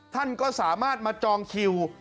ท่านก็สามารถมาจองคิว